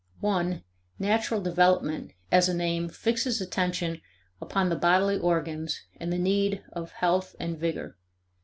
(1) Natural development as an aim fixes attention upon the bodily organs and the need of health and vigor.